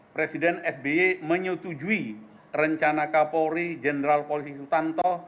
presiden sby menyetujui rencana kapolri jenderal polisi sutanto